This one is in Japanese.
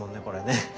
これね。